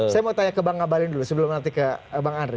saya mau tanya ke bang ngabalin dulu sebelum nanti ke bang andri